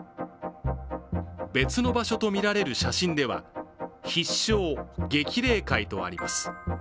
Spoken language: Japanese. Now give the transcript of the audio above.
別の場所とみられる写真では必勝激励会とあります。